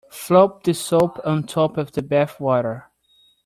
Float the soap on top of the bath water.